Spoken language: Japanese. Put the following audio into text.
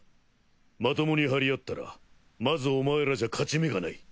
まともに張り合ったらまずお前らじゃ勝ち目がない。